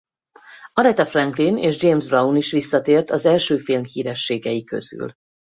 Aretha Franklin és James Brown is visszatért az első film hírességei közül.